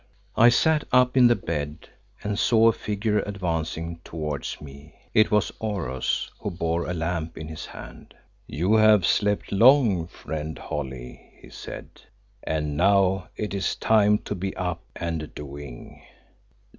I sat up in the bed and saw a figure advancing towards me. It was Oros, who bore a lamp in his hand. "You have slept long, friend Holly," he said, "and now it is time to be up and doing."